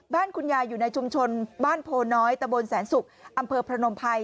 บ้านคุณยายอยู่ในชุมชนบ้านโพน้อยตะบนแสนศุกร์อำเภอพนมภัย